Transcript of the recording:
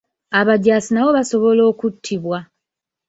Abajaasi nabo basobola okuttibwa.